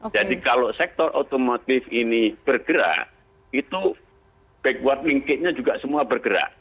jadi kalau sektor otomotif ini bergerak itu backward link itnya juga semua bergerak